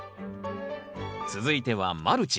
続いてはマルチ。